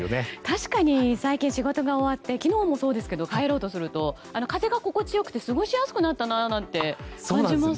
確かに最近仕事が終わって昨日もそうですが帰ろうとすると風が心地よくて過ごしやすくなったなと感じましたね。